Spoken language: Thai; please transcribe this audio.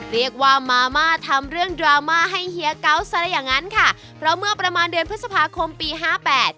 เรียกว่ามาม่าทำเรื่องดราม่าให้เฮียเกาซะละอย่างงั้นค่ะเพราะเมื่อประมาณเดือนพฤษภาคมปีห้าแปด